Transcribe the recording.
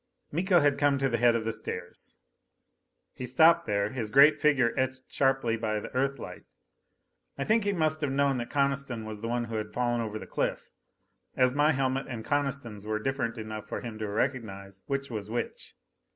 Miko had come to the head of the stairs. He stopped there, his great figure etched sharply by the Earthlight. I think he must have known that Coniston was the one who had fallen over the cliff, as my helmet and Coniston's were different enough for him to recognize which was which.